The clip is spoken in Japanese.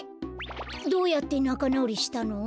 どうやってなかなおりしたの？